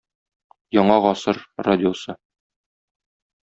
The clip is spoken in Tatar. "Яңа гасыр" радиосы